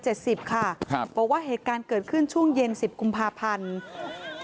บอกว่าเหตุการณ์เกิดขึ้นช่วงเย็นสิบกุมภาพันธ์